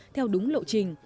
theo đúng lộ trình